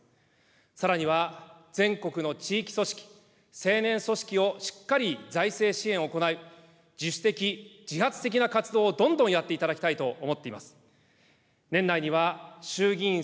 さらには全国の地域組織、成年組織をしっかり財政支援を行い、自主的、自発的な活動をどんどんやっていただきたいと思っています。